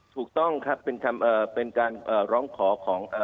ถูกต้องครับเป็นการร้องขอของ